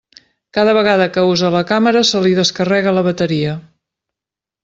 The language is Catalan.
Cada vegada que usa la càmera se li descarrega la bateria.